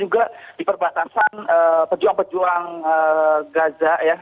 juga di perbatasan pejuang pejuang gaza ya